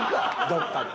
どっかで。